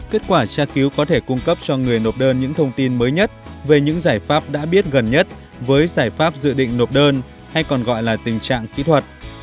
kết quả tra cứu có thể cung cấp cho người nộp đơn những thông tin mới nhất về những giải pháp đã biết gần nhất với giải pháp dự định nộp đơn hay còn gọi là tình trạng kỹ thuật